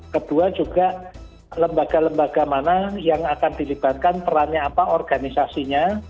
kedua juga lembaga lembaga mana yang akan dilibatkan perannya apa organisasinya